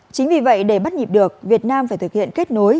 chính vì vậy để bắt nhịp được việt nam phải thực hiện kết nối